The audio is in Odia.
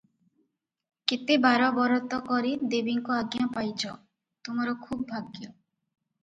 କେତେ ବାର ବରତ କରି ଦେବୀଙ୍କ ଆଜ୍ଞା ପାଇଚ, ତୁମର ଖୁବ୍ ଭାଗ୍ୟ ।